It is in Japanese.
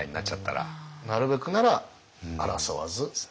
なるべくなら争わず。